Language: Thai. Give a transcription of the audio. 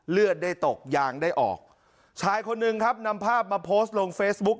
เลือดได้ตกยางได้ออกชายคนหนึ่งครับนำภาพมาโพสต์ลงเฟซบุ๊ค